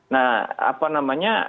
nah apa namanya